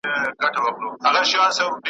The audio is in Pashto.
نه استاد وي نه منطق نه هندسه وي .